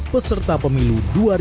peserta pemilu dua ribu dua puluh